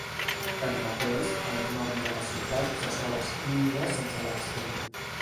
Tanmateix, el nom de la ciutat se sol escriure sense l'accent.